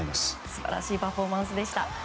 素晴らしいパフォーマンスでした。